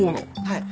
はい。